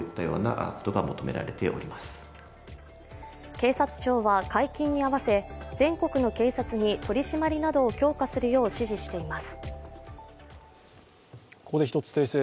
警察庁は解禁に合わせ全国の警察に取り締まりなどを強化するよう指示しています。